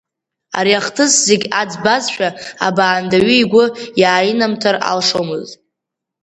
Ари ахҭыс зегь аӡбазшәа абаандаҩы игәы иааинамҭар алшомызт.